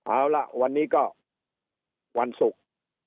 เอาล่ะวันนี้ก็วันศุกร์